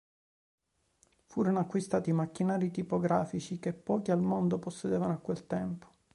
Furono acquistati macchinari tipografici che pochi al mondo possedevano a quel tempo.